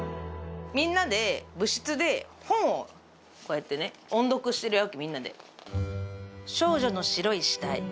みんなで部室で本をこうやってね音読してるわけみんなで「少女の白い肢体」